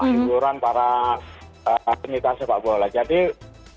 lagi lagi ini berharap ini akan membuat penyintas sepak bola yang bisa bersama